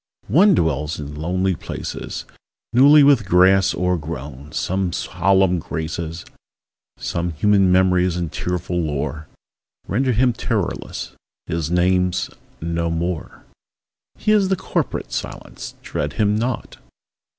One dwells in lonely places, Newly with grass o'ergrown; some solemn graces, Some human memories and tearful lore, Render him terrorless: his name's "No More." He is the corporate Silence: dread him not!